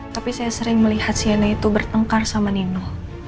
tapi saya sering melihat siana itu bertengkar sama nino